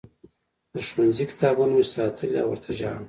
د ښوونځي کتابونه مې ساتلي او ورته ژاړم